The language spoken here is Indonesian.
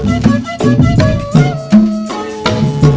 eh pak pak